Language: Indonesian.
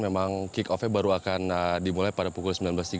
memang kick offnya baru akan dimulai pada pukul sembilan belas tiga puluh